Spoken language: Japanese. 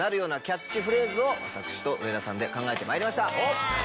を私と上田さんで考えてまいりました。